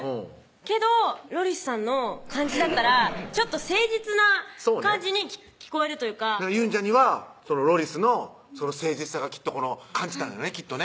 けどロリスさんの感じだったら誠実な感じに聞こえるというかゆんじゃんにはロリスの誠実さがきっと感じたんやねきっとね